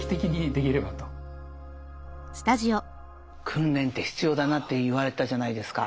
訓練って必要だなって言われたじゃないですか。